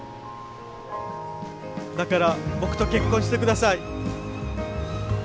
だから僕と結婚してください。